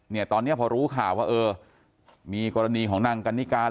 เนี่ยตอนนี้พอรู้ข่าวว่าเออมีกรณีของนางกันนิการ